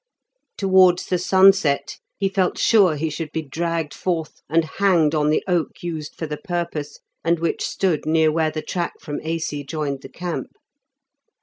Towards the sunset he felt sure he should be dragged forth and hanged on the oak used for the purpose, and which stood near where the track from Aisi joined the camp.